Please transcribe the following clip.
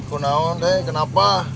kau tau teteh kenapa